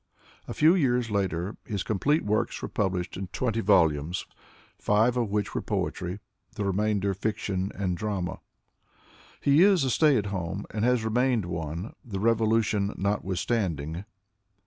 A few years later his com plete works were published in twenty volumes, five of which were poetry, the remainder fiction and drama. He is a stay at home, and has remained one, the revolution notwithstanding.